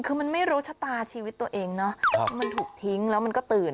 คือมันไม่รู้ชะตาชีวิตตัวเองเนาะมันถูกทิ้งแล้วมันก็ตื่น